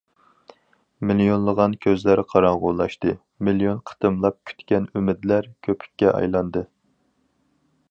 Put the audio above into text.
مىليونلىغان كۆزلەر قاراڭغۇلاشتى، مىليون قېتىملاپ كۈتكەن ئۈمىدلەر كۆپۈككە ئايلاندى.